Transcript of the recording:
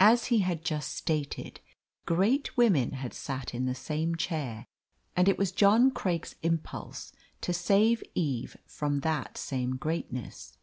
As he had just stated, great women had sat in the same chair, and it was John Craik's impulse to save Eve from that same greatness.